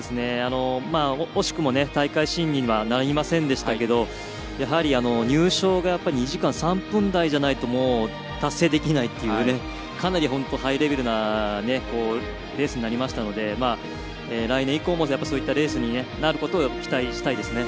惜しくも大会新にはなりませんでしたけれどもやはり、入賞が２時間３分台じゃないともう達成できないっていうかなりハイレベルなレースになりましたので来年以降もそういったレースになることを期待したいですね。